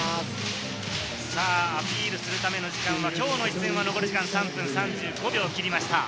アピールするための時間はきょうの一戦は残り時間３分３５秒を切りました。